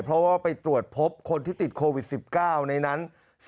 เพราะว่าไปตรวจพบคนที่ติดโควิด๑๙ในนั้น